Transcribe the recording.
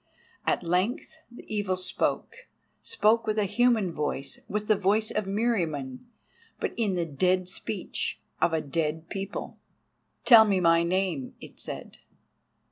At length the Evil spoke—spoke with a human voice, with the voice of Meriamun, but in the dead speech of a dead people: "Tell me my name," it said.